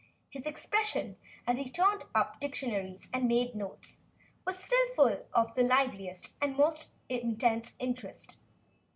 His expression, as he turned up dictionaries and made notes, was still full of the liveliest and most intense interest.